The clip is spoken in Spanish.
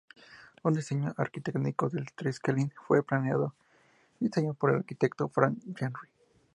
Un diseño arquitectónico del Triskelion fue planeado y diseñado por el arquitecto Frank Gehry.